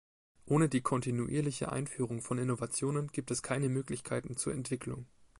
Ohne die kontinuierliche Einführung von Innovationen gibt es keine Möglichkeiten zur Entwicklung.